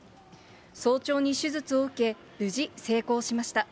早朝に手術を受け、無事成功しました。